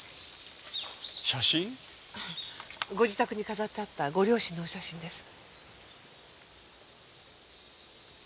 ご自宅に飾ってあったご両親のお写真です。